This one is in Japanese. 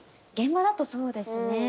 現場だとそうですね。